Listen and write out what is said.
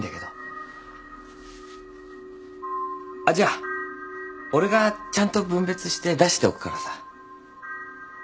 あっじゃ俺がちゃんと分別して出しておくからさ。